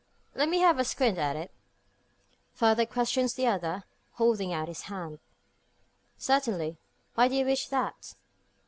"Let me have a squint at it?" further questions the other, holding out his hand. "Certainly. Why do you wish that?"